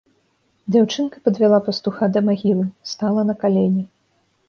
Дзяўчынка падвяла пастуха да магілы, стала на калені.